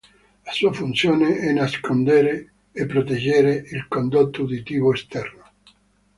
La sua funzione è nascondere e proteggere il condotto uditivo esterno.